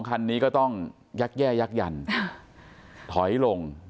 คันนี้ก็ต้องยักแย่ยักยันถอยลง